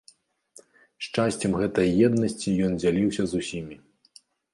Шчасцем гэтай еднасці ён дзяліўся з усімі.